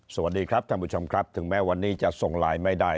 สวัสดีครับท่านผู้ชมครับถึงแม้วันนี้จะส่งไลน์ไม่ได้